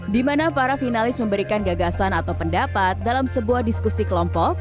di mana para finalis memberikan gagasan atau pendapat dalam sebuah diskusi kelompok